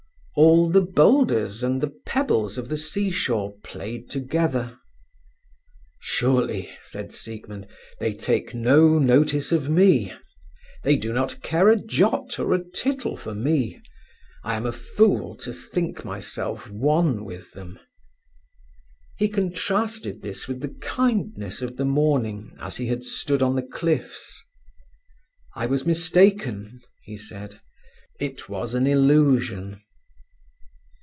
All the boulders and pebbles of the sea shore played together. "Surely," said Siegmund, "they take no notice of me; they do not care a jot or a tittle for me. I am a fool to think myself one with them." He contrasted this with the kindness of the morning as he had stood on the cliffs. "I was mistaken," he said. "It was an illusion."